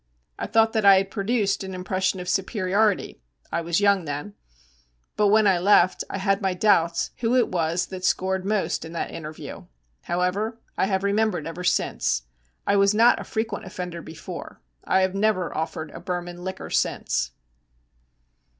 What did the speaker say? I thought that I had produced an impression of superiority I was young then but when I left I had my doubts who it was that scored most in that interview. However, I have remembered ever since. I was not a frequent offender before I have never offered a Burman liquor since.